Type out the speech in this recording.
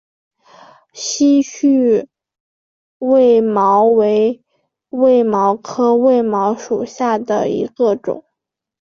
稀序卫矛为卫矛科卫矛属下的一个种。